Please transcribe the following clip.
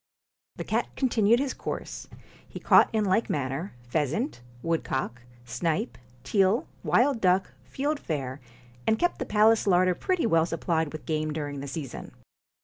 The cat continued his course; he caught in like manner, pheasant, woodcock, snipe, teal, wild PUSS IN BOOTS duck, fieldfare, and kept the palace larder pretty well supplied with game during the season.